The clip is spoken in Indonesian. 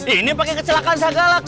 ini pakai kecelakaan saya galak